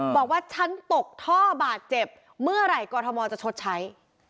บอกว่าฉันตกท่อบาดเจ็บเมื่อไหร่กรทมจะชดใช้